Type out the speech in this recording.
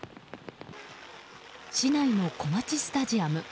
市内の、こまちスタジアム。